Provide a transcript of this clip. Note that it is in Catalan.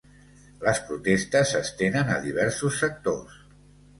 Les protestes s'estenen a diversos sectors.